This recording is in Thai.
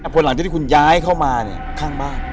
พอหลังจากที่คุณย้ายเข้ามาข้างบ้าน